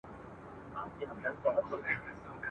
ټولو وویل دا تشي افسانې دي !.